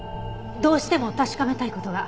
どうしても確かめたい事が。